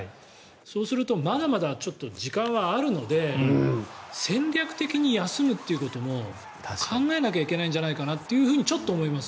そうするとまだまだ時間はあるので戦略的に休むということも考えなきゃいけないんじゃないかなとちょっと思います。